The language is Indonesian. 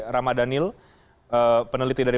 ramadhanil peneliti dari